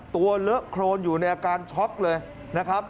เลอะโครนอยู่ในอาการช็อกเลยนะครับ